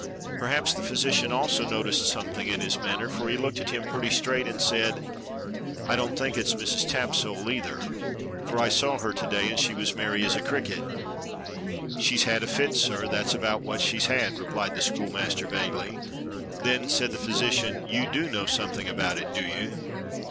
Perhaps the physician also noticed something in his manner, for he looked at him pretty straight and said : "I don't think it's Mrs. Tapsole, either, for I saw her to day and she was as merry as a cricket." "She's had a fit, sir, that's about what she's had," replied the schoolmaster vaguely. "Then," said the physician, "you do know something about it, do you?"